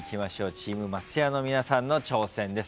チーム松也の皆さんの挑戦です。